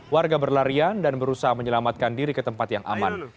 warga berlarian dan berusaha menyelamatkan diri ke tempat yang aman